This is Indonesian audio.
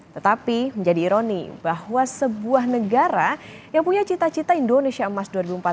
tetapi menjadi ironi bahwa sebuah negara yang punya cita cita indonesia emas dua ribu empat puluh lima